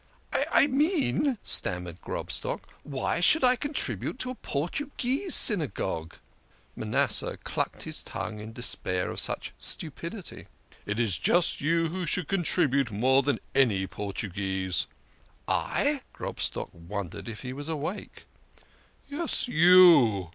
" "I I mean," stammered Grobstock "why should I contribute to a Portuguese Synagogue ?" Manasseh clucked his tongue in despair of such stupidity. "It is just you who should contribute more than any Portuguese." " I ?" Grobstock wondered if he was awake. " Yes, you.